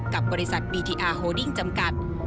กับบริษัทบีทีอาร์โฮดิ้งจำกัด